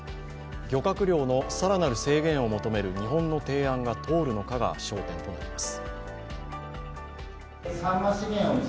漁獲量の更なる制限を求める日本の提案が通るのかが焦点となっています。